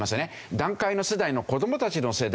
団塊の世代の子どもたちの世代